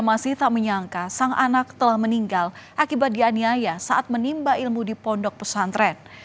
masih tak menyangka sang anak telah meninggal akibat dianiaya saat menimba ilmu di pondok pesantren